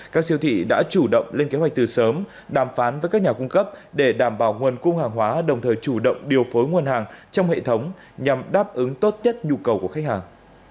các siêu thị đã chủ động lên kế hoạch từ sớm đàm phán với các nhà cung cấp để đảm bảo nguồn cung hàng hóa đồng thời chủ động điều phối nguồn hàng trong hệ thống nhằm đáp ứng tốt nhất nhu cầu của khách hàng